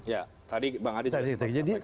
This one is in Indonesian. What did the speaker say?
ya tadi bang adi tadi sebutkan apa ya